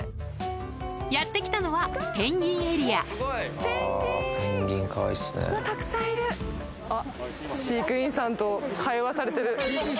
やって来たのはペンギンエリアあっ飼育員さんと会話されてる。